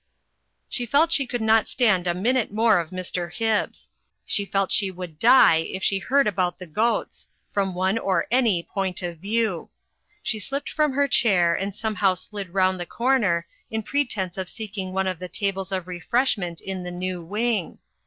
She felt she could not stand a minute more of Mr. Hibbs. She felt she would die if she heard about the goats — from one or any point of view. She slipped from her chair and somehow slid roimd the comer, in pretence of seeking one of the tables of refreshment in the new wing.